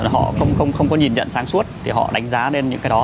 họ không có nhìn nhận sáng suốt thì họ đánh giá lên những cái đó